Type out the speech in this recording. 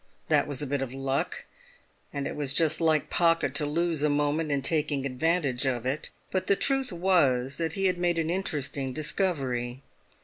That was a bit of luck; and it was just like Pocket to lose a moment in taking advantage of it; but the truth was that he had made an interesting discovery.